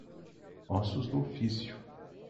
Ossos do ofício